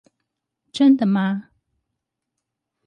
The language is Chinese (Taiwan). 真的嗎